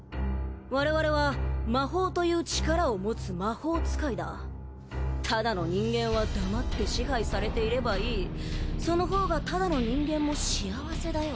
われわれは魔法という力を持つ魔法使いだただの人間は黙って支配されていればいいその方がただの人間も幸せだよ